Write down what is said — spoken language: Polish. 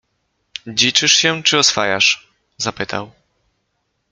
Dziczysz się czy oswajasz? — zapytał.